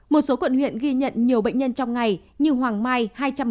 một số quận huyện ghi nhận nhiều bệnh nhân trong ngày như hoàng mai hai trăm một mươi tám ca